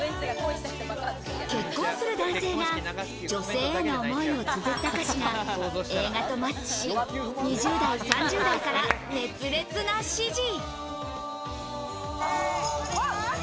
結婚する男性が女性への思いをつづった歌詞が映画とマッチし、２０代、３０代から熱烈な支持。